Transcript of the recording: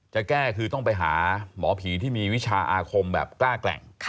จะแก้คือต้องไปหาหมอผีที่มีวิชาอาคมแบบกล้าแกร่ง